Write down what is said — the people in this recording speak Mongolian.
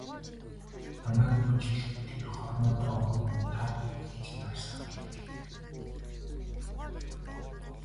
Намайг бүжиглэхэд тэр хормой доогуур минь таатай гэгч нь харсаар л байлаа.